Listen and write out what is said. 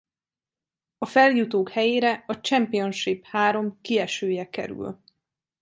A feljutók helyére a Championship három kiesője kerül.